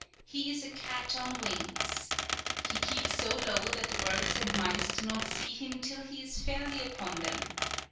He is a cat on wings. He keeps so low that the birds and mice do not see him till he is fairly upon them.